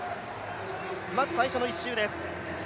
まず最初の１周です。